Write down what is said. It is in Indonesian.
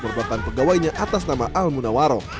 merupakan pegawainya atas nama al munawaro